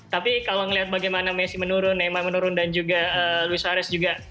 tapi kalau melihat bagaimana messi menurun neymar menurun dan juga luis suarez juga